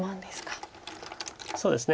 そうですね